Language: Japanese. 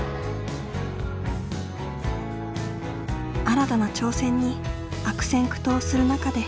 新たな挑戦に悪戦苦闘する中で。